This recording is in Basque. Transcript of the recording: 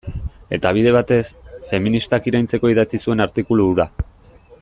Eta bide batez, feministak iraintzeko idatzi zuen artikulu hura.